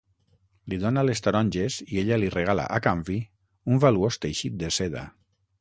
Li dóna les taronges i ella li regala, a canvi, un valuós teixit de seda.